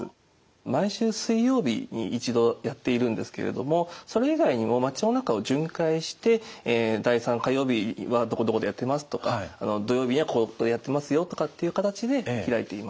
毎週水曜日に１度やっているんですけれどもそれ以外にも町の中を巡回して「第３火曜日はどこどこでやってます」とか「土曜日にはこういうことやってますよ」とかっていう形で開いています。